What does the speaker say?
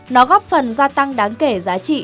nó góp phần gia tăng đáng kể giá trị